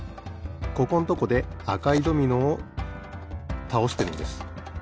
ここんとこであかいドミノをたおしてるんです。